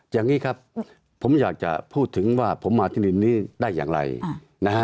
อย่างนี้ครับผมอยากจะพูดถึงว่าผมมาที่ดินนี้ได้อย่างไรนะฮะ